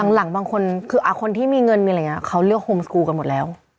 หลังบางคนคือคนที่มีเงินมีอะไรอย่างนี้เขาเลือกโฮมสกูลกันหมดแล้ว